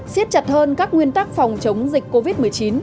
xiết chặt hơn các nguyên tắc phòng chống dịch covid một mươi chín